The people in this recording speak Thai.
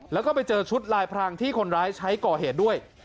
แล้วก็ไปเจอชุดลายพรางที่คนร้ายใช้ก่อเหตุด้วย